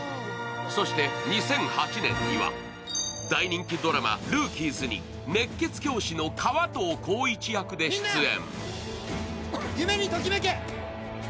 そして２００８年には大人気ドラマ「ＲＯＯＫＩＥＳ」に熱血教師の川藤幸一役で出演。